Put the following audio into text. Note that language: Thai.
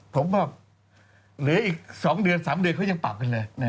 ผมก็เหลืออีก๒เดือน๓เดือนเขายังปรับกันเลย